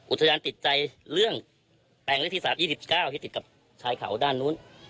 อุตจัยานติดใจเรื่องแปลงที่สามยี่สิบเก้าที่ติดกับชายเขาด้านนู้น